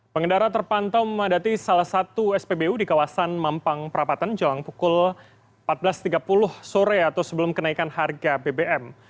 pengendara terpantau memadati salah satu spbu di kawasan mampang perapatan jelang pukul empat belas tiga puluh sore atau sebelum kenaikan harga bbm